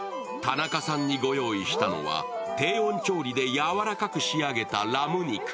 田中さんにご用意したのは低温調理で柔らかく仕上げたラム肉。